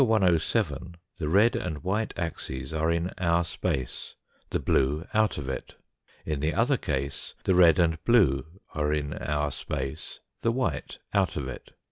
107 the red and white axes are in our space, the blue out of it ; in the other case, the red and blue are in our space, the white out of it.